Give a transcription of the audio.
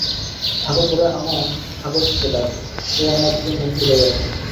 ঠাকুরঘরে আমার ঠাকুরকে ডাকি, সে আমার দিকে মুখ ফিরাইয়া থাকে।